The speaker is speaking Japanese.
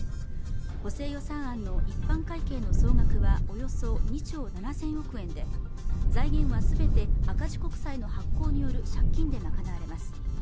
補正予算案の一般会計の総額はおよそ２兆７０００億円で財源は全て赤字国債の発行による借金で賄われます